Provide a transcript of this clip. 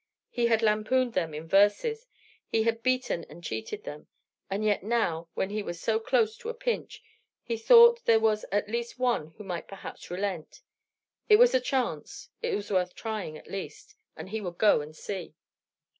He had lampooned them in verses, he had beaten and cheated them; and yet now, when he was in so close a pinch, he thought there was at least one who might perhaps relent. It was a chance. It was worth trying at least, and he would go and see.